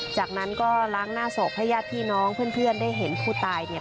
จากนั้นก็ล้างหน้าศพให้ญาติพี่น้องเพื่อนได้เห็นผู้ตายเนี่ย